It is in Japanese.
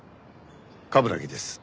冠城です。